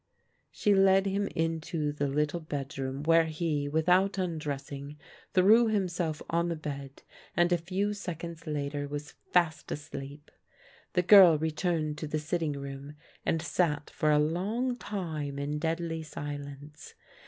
" She led him into the little bedroom where he, without undressing, threw himself on the bed, and a few seconds later was fast asleep. The girl returned to the sitting room, and sat for a long time in deadly silence.